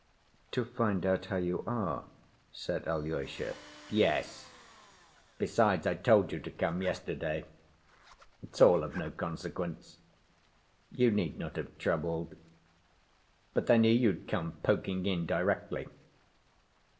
"To find out how you are," said Alyosha. "Yes. Besides, I told you to come yesterday. It's all of no consequence. You need not have troubled. But I knew you'd come poking in directly."